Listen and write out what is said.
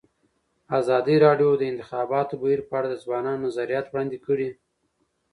ازادي راډیو د د انتخاباتو بهیر په اړه د ځوانانو نظریات وړاندې کړي.